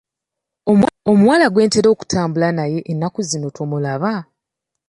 Omuwala gwe ntera okutambula naye ennaku zino tomulaba?